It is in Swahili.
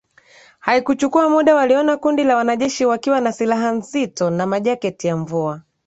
Haikuchukua muda waliona kundi la wanajeshi wakiwa na silaha nzito na majaketi ya mvua